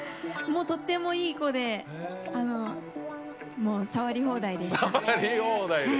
とってもいい子で触り放題でした。